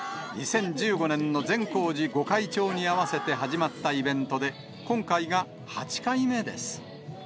２０１５年の善光寺ご開帳に合わせて始まったイベントで、今回が８回目です。